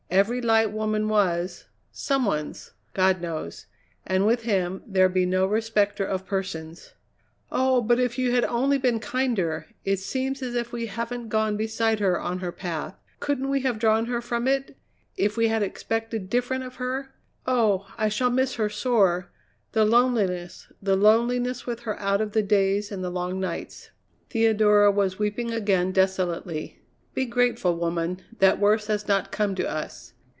Every light woman was some one's, God knows and with Him there be no respecter of persons." "Oh! but if you had only been kinder. It seems as if we haven't gone beside her on her path. Couldn't we have drawn her from it if we had expected different of her? Oh! I shall miss her sore. The loneliness, the loneliness with her out of the days and the long nights." Theodora was weeping again desolately. "Be grateful, woman, that worse has not come to us."